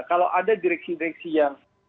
kalau ada direksi direksi yang